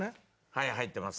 はい入ってます。